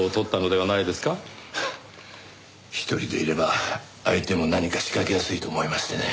一人でいれば相手も何か仕掛けやすいと思いましてね。